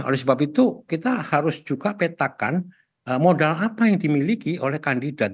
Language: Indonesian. oleh sebab itu kita harus juga petakan modal apa yang dimiliki oleh kandidat